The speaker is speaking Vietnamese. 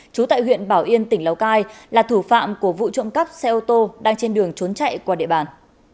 trú tại huyện bảo yên tỉnh lào cai là thủ phạm của vụ trộm cắp xe ô tô đang trên đường trốn chạy qua địa bàn